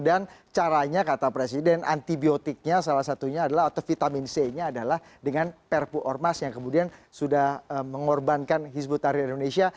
dan caranya kata presiden antibiotiknya salah satunya adalah atau vitamin c nya adalah dengan perpuormas yang kemudian sudah mengorbankan hizbut tarih indonesia